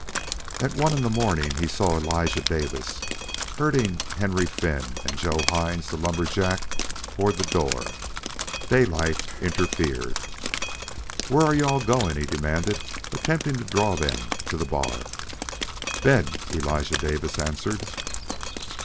At one in the morning he saw Elijah Davis herding Henry Finn and Joe Hines, the lumber jack, toward the door. Daylight interfered. "Where are you all going?" he demanded, attempting to draw them to the bar. "Bed," Elijah Davis answered.